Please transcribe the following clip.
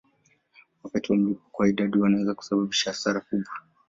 Wakati wa mlipuko wa idadi wanaweza kusababisha hasara kubwa.